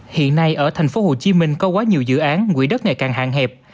hiện nay ở thành phố hồ chí minh có quá nhiều dự án quỹ đất ngày càng hạn hẹp